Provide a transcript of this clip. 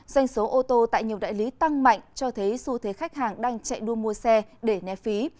doanh số ô tô tại nhiều đại lý tăng mạnh cho thấy xu thế khách hàng đang chạy đua mua xe để né phí